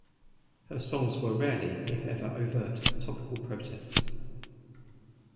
Her songs were rarely if ever overt, topical protests.